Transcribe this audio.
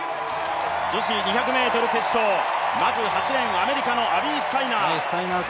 女子２００ｍ決勝、まず８レーン、アメリカのアビー・スタイナー。